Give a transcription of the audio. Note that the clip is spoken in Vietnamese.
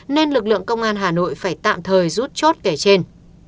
nên lực lượng công an hà nội phải tạm thời rút chốt kể trên